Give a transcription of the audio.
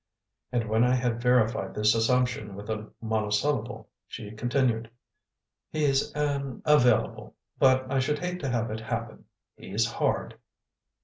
And when I had verified this assumption with a monosyllable, she continued, "He's an 'available,' but I should hate to have it happen. He's hard."